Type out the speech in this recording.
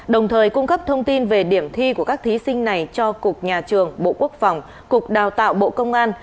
đồng thời cung cấp thông tin về điểm thi của các thí sinh này cho cục nhà trường bộ quốc phòng cục đào tạo bộ công an